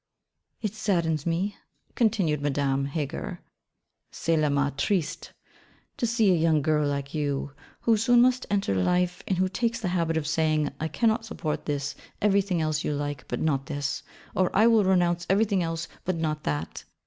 'It saddens me,' continued Madame Heger '(Cela m'attriste) to see a young girl like you, who soon must enter life, and who takes the habit of saying, "I cannot support this, everything else you like, but not this": or "I will renounce everything else, but not that."